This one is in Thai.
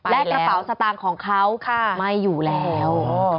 และกระเป๋าสตางค์ของเขาไม่อยู่แล้ว